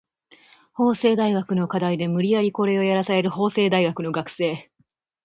法政大学の課題で無理やりコレをやらされる法政大学の学生